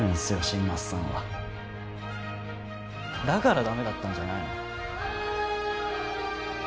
新町さんはだからダメだったんじゃないの？